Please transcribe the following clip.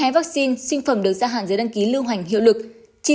hai mươi hai vắc xin sinh phẩm được gia hạn giới đăng ký lưu hành hiệu lực